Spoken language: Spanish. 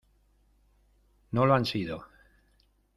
no lo han sido.